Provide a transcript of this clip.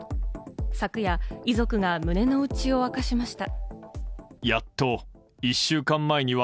昨夜、遺族が胸の内を明かしました。